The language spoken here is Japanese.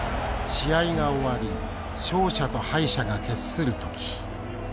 試合が終わり勝者と敗者が決する時。